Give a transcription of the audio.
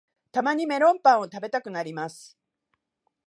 たまにメロンパンを食べたくなります